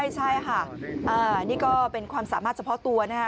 ใช่ค่ะนี่ก็เป็นความสามารถเฉพาะตัวนะคะ